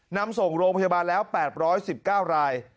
นำส่งโรงพยาบาลแล้ว๘๑๙ราย